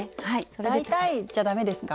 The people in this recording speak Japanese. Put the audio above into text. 大体じゃダメですか？